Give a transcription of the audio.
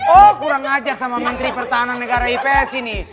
oh kurang ajar sama menteri pertahanan negara ips ini